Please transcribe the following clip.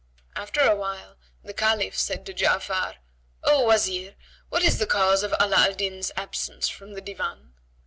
After a while, the Caliph said to Ja'afar, "O Watir, what is the cause of Ala al Din's absence from the Divan?"